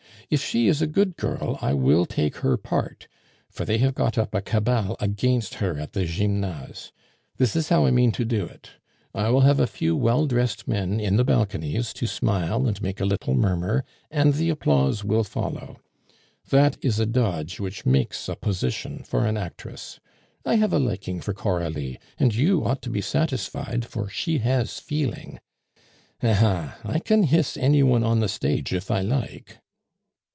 "If she is a good girl, I will take her part, for they have got up a cabal against her at the Gymnase. This is how I mean to do it. I will have a few well dressed men in the balconies to smile and make a little murmur, and the applause will follow. That is a dodge which makes a position for an actress. I have a liking for Coralie, and you ought to be satisfied, for she has feeling. Aha! I can hiss any one on the stage if I like."